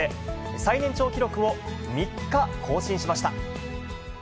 最年長記録を３日更新しました。